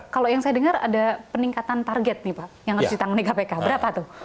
kalau yang saya dengar ada peningkatan target nih pak yang harus ditangani kpk berapa tuh